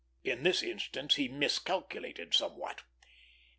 In this instance he miscalculated somewhat.